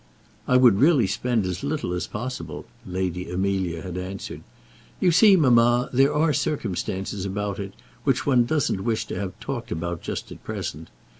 "I would really spend as little as possible," Lady Amelia had answered. "You see, mamma, there are circumstances about it which one doesn't wish to have talked about just at present.